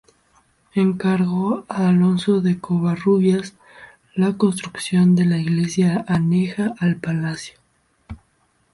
Encargó a Alonso de Covarrubias la construcción de la iglesia aneja al palacio.